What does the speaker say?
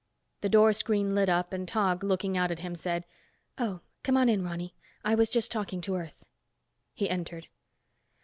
The door screen lit up and Tog, looking out at him said, "Oh, come on in, Ronny, I was just talking to Earth." He entered.